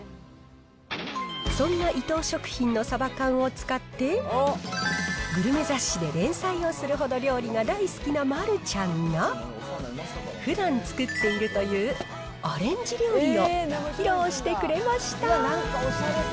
そんな伊藤食品のサバ缶を使って、グルメ雑誌で連載をするほど料理が大好きな丸ちゃんが、ふだん作っているというアレンジ料理を披露してくれました。